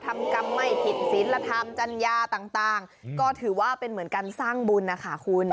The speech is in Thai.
ทำกรรมไม่ผิดศิลธรรมจัญญาต่างก็ถือว่าเป็นเหมือนการสร้างบุญนะคะคุณ